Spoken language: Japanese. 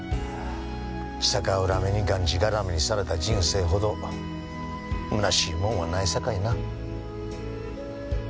逆恨みにがんじがらめにされた人生ほどむなしいもんはないさかいな。